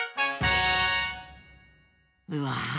うわ！